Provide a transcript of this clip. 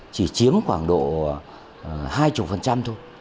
chỉ chiếm khoảng độ hai mươi thôi